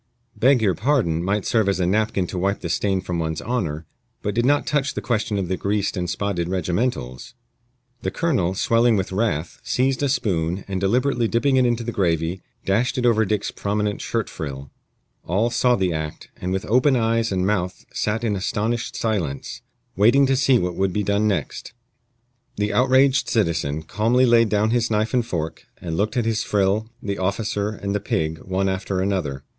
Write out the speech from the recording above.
"Beg your pardon" might serve as a napkin to wipe the stain from one's honor, but did not touch the question of the greased and spotted regimentals. The colonel, swelling with wrath, seized a spoon, and deliberately dipping it into the gravy, dashed it over Dick's prominent shirt frill. All saw the act, and with open eyes and mouth sat in astonished silence, waiting to see what would be done next. The outraged citizen calmly laid down his knife and fork, and looked at his frill, the officer, and the pig, one after another.